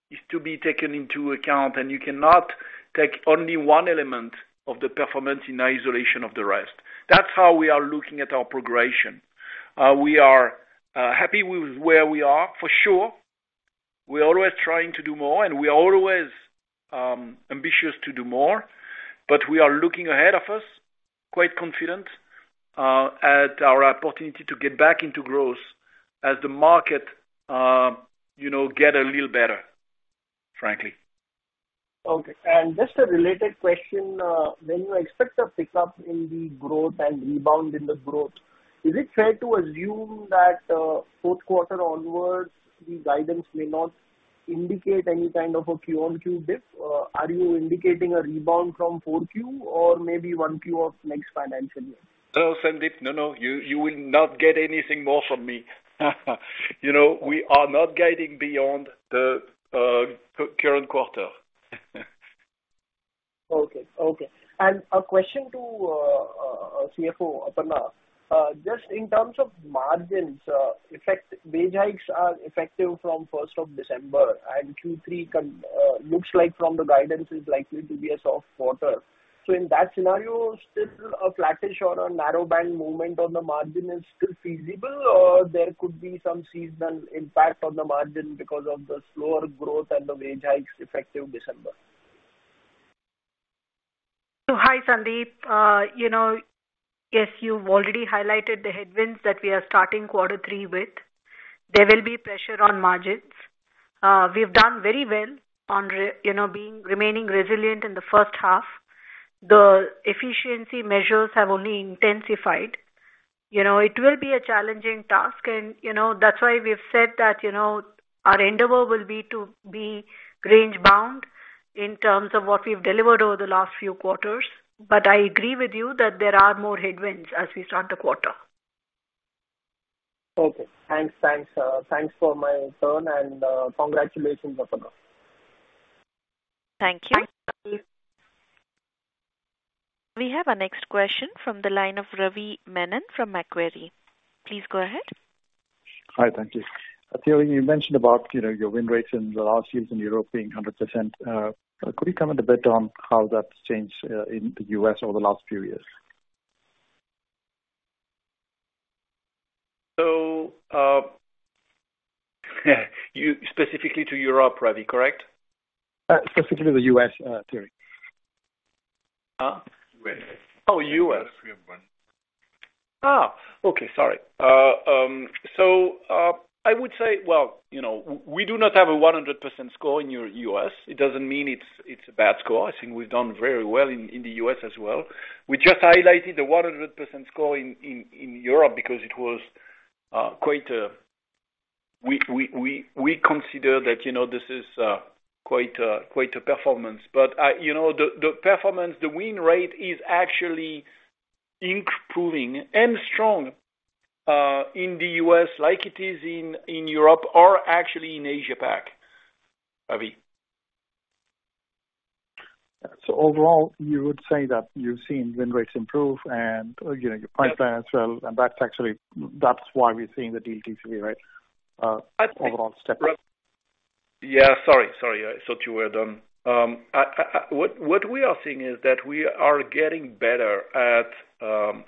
S3: is to be taken into account, and you cannot take only one element of the performance in isolation of the rest. That's how we are looking at our progression. We are happy with where we are, for sure. We're always trying to do more, and we are always ambitious to do more, but we are looking ahead of us, quite confident at our opportunity to get back into growth as the market, you know, get a little better, frankly.
S12: Okay. And just a related question, when you expect a pickup in the growth and rebound in the growth, is it fair to assume that, fourth quarter onwards, the guidance may not indicate any kind of a Q-on-Q dip? Or are you indicating a rebound from 4Q or maybe 1Q of next financial year?
S3: No, Sandeep. No, no, you, you will not get anything more from me. You know, we are not guiding beyond the current quarter.
S12: Okay. Okay. And a question to CFO Aparna. Just in terms of margins, wage hikes are effective from first of December, and Q3 looks like from the guidance is likely to be a soft quarter. So in that scenario, still a flattish or a narrowband movement on the margin is still feasible, or there could be some seasonal impact on the margin because of the slower growth and the wage hikes effective December?
S4: So hi, Sandeep. You know, yes, you've already highlighted the headwinds that we are starting quarter three with. There will be pressure on margins. We've done very well on, you know, remaining resilient in the first half. The efficiency measures have only intensified. You know, it will be a challenging task, and, you know, that's why we've said that, you know, our endeavor will be to be range bound in terms of what we've delivered over the last few quarters. But I agree with you that there are more headwinds as we start the quarter.
S12: Okay. Thanks. Thanks, thanks for my turn, and, congratulations, Aparna.
S1: Thank you. We have our next question from the line of Ravi Menon from Macquarie. Please go ahead.
S13: Hi. Thank you. Thierry, you mentioned about, you know, your win rates in the last years in Europe being 100%. Could you comment a bit on how that's changed in the US over the last few years?
S3: So, you specifically to Europe, Ravi, correct?
S13: Specifically the U.S., Thierry.
S3: Huh?
S13: U.S.
S3: Oh, U.S.
S13: We have one.
S3: Ah! Okay. Sorry. So, I would say, well, you know, we do not have a 100% score in your U.S. It doesn't mean it's a bad score. I think we've done very well in the U.S as well. We just highlighted the 100% score in Europe because it was quite—we consider that, you know, this is quite a performance. But, you know, the performance, the win rate is actually improving and strong in the U.S. like it is in Europe or actually in Asia Pac, Ravi.
S13: So overall, you would say that you've seen win rates improve and, you know, your pipeline as well, and that's actually, that's why we're seeing the deal TCV, right? Overall step.
S3: Yeah, sorry, sorry, I thought you were done. I, what we are seeing is that we are getting better at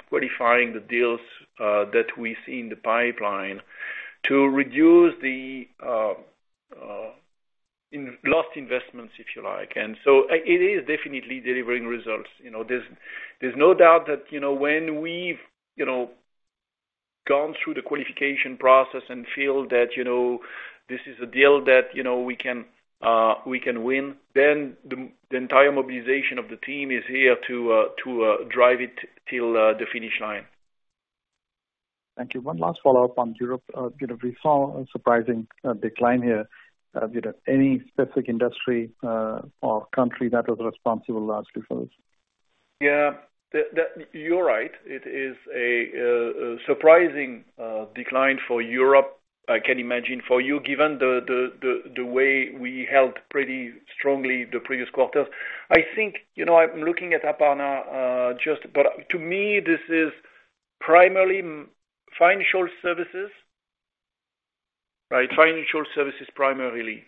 S3: qualifying the deals that we see in the pipeline to reduce the in lost investments, if you like. And so it is definitely delivering results. You know, there's no doubt that, you know, when we've gone through the qualification process and feel that, you know, this is a deal that, you know, we can win, then the entire mobilization of the team is here to drive it till the finish line.
S13: Thank you. One last follow-up on Europe. You know, we saw a surprising decline here. You know, any specific industry or country that was responsible largely for this?
S3: Yeah, you're right. It is a surprising decline for Europe. I can imagine for you, given the way we held pretty strongly the previous quarters. I think, you know, I'm looking it up on just... But to me, this is primarily financial services. Right, financial services primarily.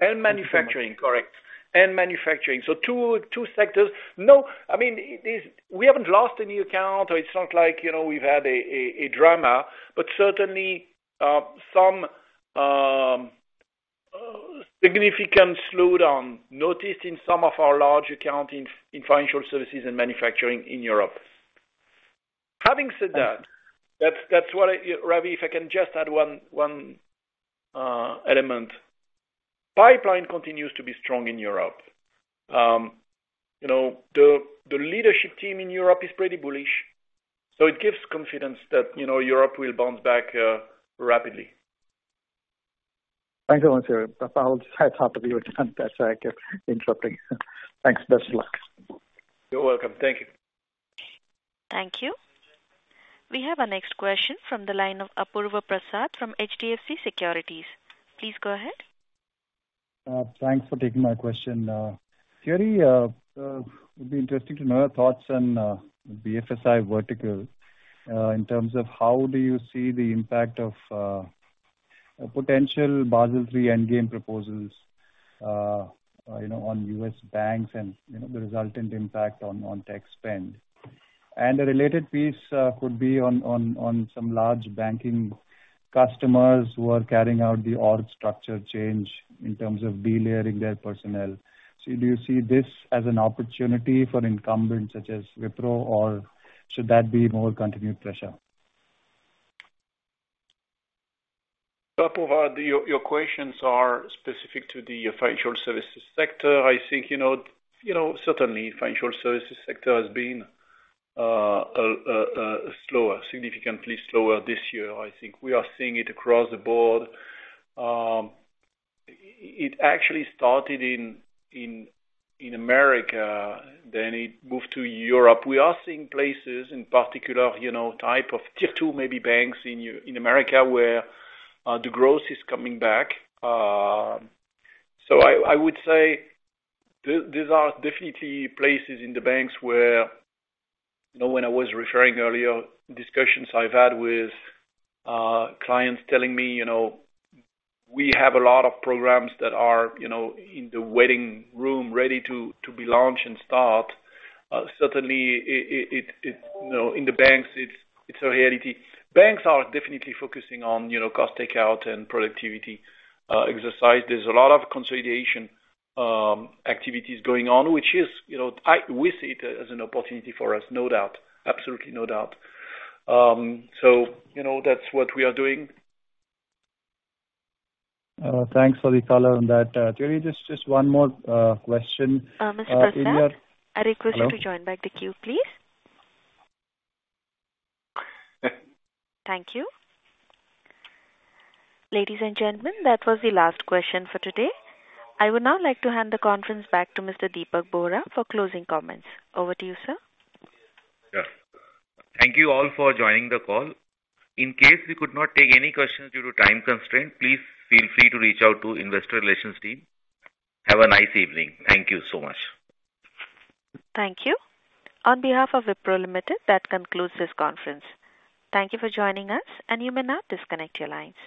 S3: And manufacturing, correct. And manufacturing. So two sectors. No, I mean, it is, we haven't lost any account, or it's not like, you know, we've had a drama, but certainly some significant slowdown noticed in some of our large accounts in financial services and manufacturing in Europe. Having said that, that's what I. Ravi, if I can just add one element. Pipeline continues to be strong in Europe. You know, the leadership team in Europe is pretty bullish, so it gives confidence that, you know, Europe will bounce back rapidly.
S13: Thank you once again. I'll just hop off with you on that, sorry for interrupting. Thanks. Best of luck.
S3: You're welcome. Thank you.
S1: Thank you. We have our next question from the line of Apurva Prasad from HDFC Securities. Please go ahead.
S14: Thanks for taking my question. Thierry, it would be interesting to know your thoughts on the FSI vertical, in terms of how do you see the impact of potential Basel III endgame proposals, you know, on U.S. banks and, you know, the resultant impact on tech spend? And a related piece could be on some large banking customers who are carrying out the org structure change in terms of delayering their personnel. So do you see this as an opportunity for incumbents such as Wipro, or should that be more continued pressure?
S3: Apurva, your questions are specific to the financial services sector. I think, you know, certainly financial services sector has been slower, significantly slower this year. I think we are seeing it across the board. It actually started in America, then it moved to Europe. We are seeing places, in particular, you know, type of Tier two, maybe banks in U.S. in America, where the growth is coming back. So I would say these are definitely places in the banks where, you know, when I was referring earlier, discussions I've had with clients telling me, you know, "We have a lot of programs that are, you know, in the waiting room, ready to be launched and start." Certainly, it, you know, in the banks, it's a reality. Banks are definitely focusing on, you know, cost takeout and productivity exercise. There's a lot of consolidation activities going on, which is, you know, we see it as an opportunity for us, no doubt. Absolutely, no doubt. So, you know, that's what we are doing..
S14: Thanks for the color on that. Thierry, just one more question.
S1: Mr. Prasad, I request you to join back the queue, please. Thank you. Ladies and gentlemen, that was the last question for today. I would now like to hand the conference back to Mr. Dipak Bohra for closing comments. Over to you, sir.
S2: Yeah. Thank you all for joining the call. In case we could not take any questions due to time constraint, please feel free to reach out to investor relations team. Have a nice evening. Thank you so much.
S1: Thank you. On behalf of Wipro Limited, that concludes this conference. Thank you for joining us, and you may now disconnect your lines.